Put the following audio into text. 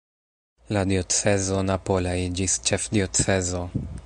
La diocezo napola iĝis ĉefdiocezo.